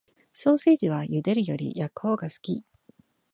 ソーセージは茹でるより焼くほうが好き